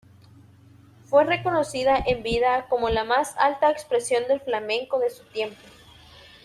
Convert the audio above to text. Fue reconocida en vida como la más alta expresión del flamenco de su tiempo.